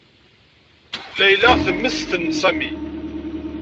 Layla temmesten Sami.